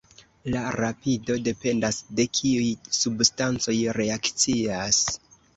La rapido dependas de kiuj substancoj reakcias.